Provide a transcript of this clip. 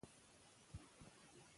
دا وسایل به عام شي.